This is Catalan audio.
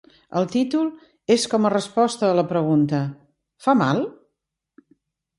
El títol és com a resposta a la pregunta: Fa mal?